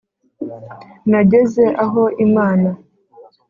Nageze aho Imana